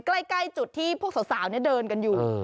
ใกล้จุดที่พวกสาวเดินกันอยู่